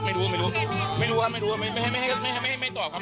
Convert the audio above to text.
บริษัทอะไรครับ